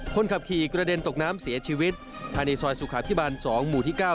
คนขับขี่กระเด็นตกน้ำเสียชีวิตภายในซอยสุขาพิบาล๒หมู่ที่๙